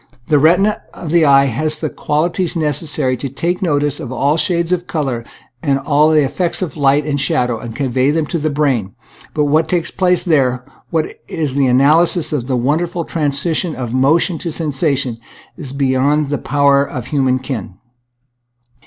The retina of the eye has the qualities necessary to take notice of all the shades of color and all the effects of light and shadow and convey them to the brain, but what takes place there, what is the analysis of the wonderful transition from motion to sensation, is beyond the power of human ken.